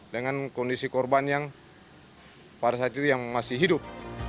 dengan kondisi korban yang parasit itu yang masih hidup